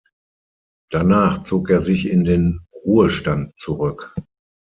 Danach zog er sich in den Ruhestand zurück.